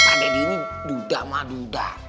pak deddy ini duda mah duda